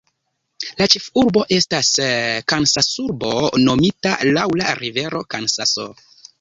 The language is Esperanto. La ĉefurbo estas Kansasurbo, nomita laŭ la rivero Kansaso.